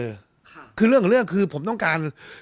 เรื่องของเรื่องราคาผมต้องการ